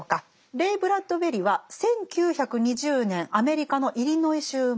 レイ・ブラッドベリは１９２０年アメリカのイリノイ州生まれです。